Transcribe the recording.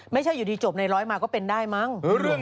ไม่ใช่อยู่ดีจบในร้อยมาก็เป็นได้มั้ง